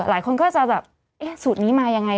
หลายคนก็จะแบบเอ๊ะสูตรนี้มายังไง